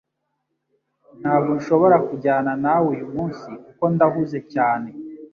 Ntabwo nshobora kujyana nawe uyumunsi kuko ndahuze cyane